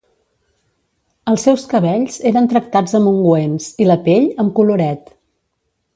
Els seus cabells eren tractats amb ungüents i la pell amb coloret.